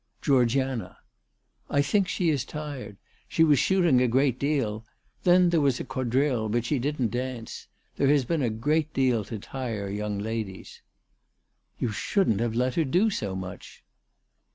" Georgiana." " I think she is tired. She was shooting a great deal. Then there was a quadrille; but she didn't dance. There has been a great deal to tire young ladies." " You shouldn't have let her do so much."